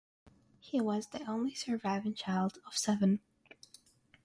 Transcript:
He was the only surviving child of seven.